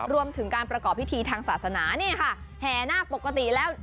รวมถึงการประกอบพิธีทางศาสนานี่ค่ะแห่นาคปกติแล้ว